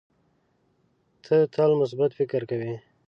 ته تل مثبت فکر کوې.